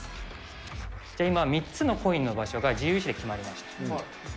じゃあ、今、３つのコインの場所が、自由意思で決まりました。